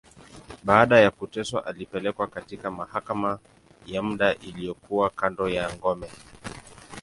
Baada ya kuteswa, alipelekwa katika mahakama ya muda, iliyokuwa kando ya ngome.